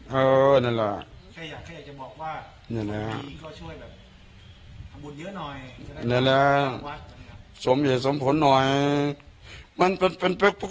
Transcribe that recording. เพราะว่าจิตนาของเราคือไม่ได้ต้องการให้เค้าห้ามให้ใครมาทำบุญ